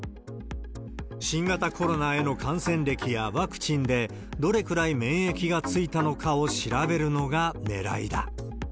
新型コロナへの感染歴やワクチンでどれくらい免疫がついたのかを調べるのがねらいだ。